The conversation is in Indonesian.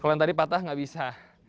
kalau yang tadi patah nggak bisa